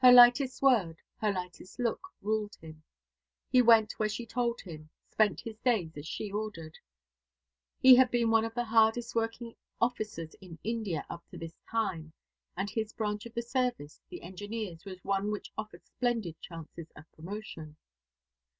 Her lightest word, her lightest look ruled him. He went where she told him, spent his days as she ordered. He had been one of the hardest working officers in India up to this time, and his branch of the service, the Engineers, was one which offered splendid chances of promotion.